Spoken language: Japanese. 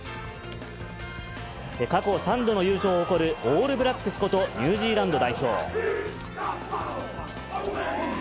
過去３度の優勝を誇る、オールブラックスことニュージーランド代表。